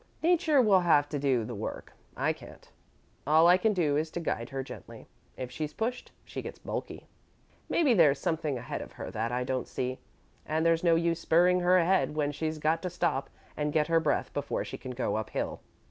Nature will have to do the work I can't. All I can do is to guide her gently. If she's pushed, she gets balky. Maybe there's something ahead of her that I don't see, and there's no use spurring her ahead when she's got to stop and get her breath before she can go up hill.